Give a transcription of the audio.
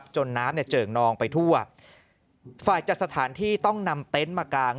น้ำเนี่ยเจิ่งนองไปทั่วฝ่ายจัดสถานที่ต้องนำเต็นต์มากาง